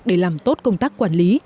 để làm tốt công tác quản lý